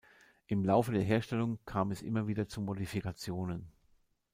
Im Laufe der Herstellung kam es immer wieder zu Modifikationen.